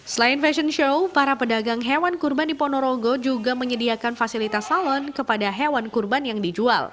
selain fashion show para pedagang hewan kurban di ponorogo juga menyediakan fasilitas salon kepada hewan kurban yang dijual